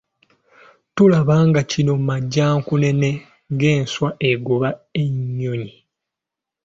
Tolaba nga kino Majjankunene ng'enswa egoba ennyonyi?